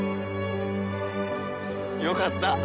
よかった。